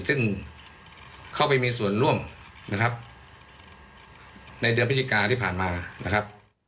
ซึ่งเข้าไปมีส่วนร่วมนะครับในเดือนพฤศจิกาที่ผ่านมานะครับ